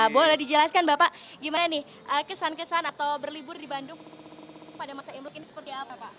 boleh dijelaskan bapak gimana nih kesan kesan atau berlibur di bandung pada masa imlek ini seperti apa pak